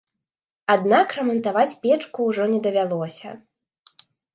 Аднак рамантаваць печку ўжо не давялося.